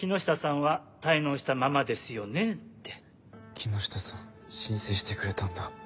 木下さん申請してくれたんだ。